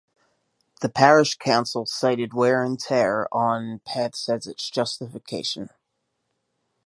The Parish Council cited wear and tear on paths as its justification.